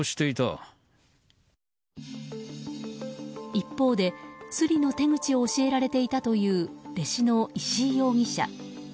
一方で、スリの手口を教えられていたという弟子の石井容疑者。